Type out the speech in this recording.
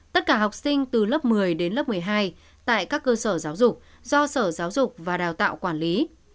tất cả học sinh từ lớp một mươi đến lớp một mươi hai tại các cơ sở giáo dục do sở giáo dục và đào tạo quản lý